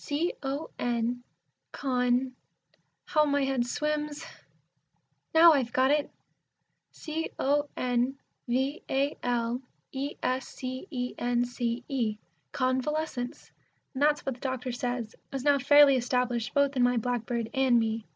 C O N con how my head swims! Now I've got it! C O N V A L E S C E N C E. Convalescence! And that's what the doctor says is now fairly established both in my blackbird and me.